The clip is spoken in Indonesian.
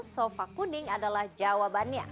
sofa kuning adalah jawabannya